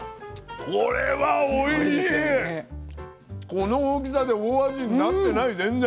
この大きさで大味になってない全然。